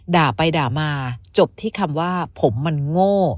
ด่าไปด่ามาจบที่คำว่าผมมันโง่